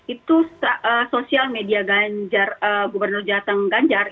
itu sosial media ganjar gubernur jateng ganjar